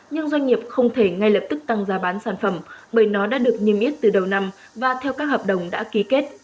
nhưng doanh nghiệp không thể ngay lập tức tăng giá bán sản phẩm bởi nó đã được niêm yết từ đầu năm và theo các hợp đồng đã ký kết